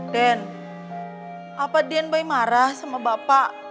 den apa den boy marah sama bapak